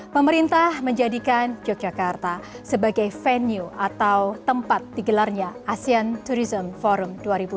pemerintah menjadikan yogyakarta sebagai venue atau tempat digelarnya asean tourism forum dua ribu dua puluh